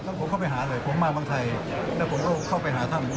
แล้วผมเข้าไปหาเลยผมมาเมืองไทยแล้วผมก็เข้าไปหาถ้ำ